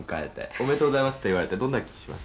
「“おめでとうございます”って言われてどんな気します？」